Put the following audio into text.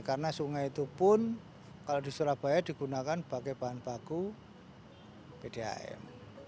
karena sungai itu pun kalau di surabaya digunakan sebagai bahan baku bdhm